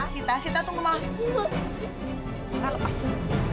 sita sita tunggu mau